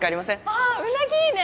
あっうなぎいいね！